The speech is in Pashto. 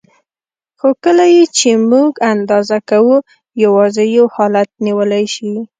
خو کله یې چې موږ اندازه کوو یوازې یو حالت نیولی شي.